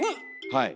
はい。